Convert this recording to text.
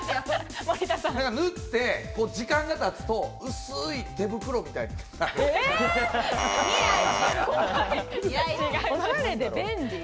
塗って時間が経つと、薄い手袋みたいになる。